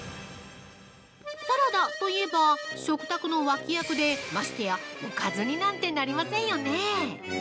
サラダといえば食卓の脇役で、ましてやおかずになんてなりませんよね。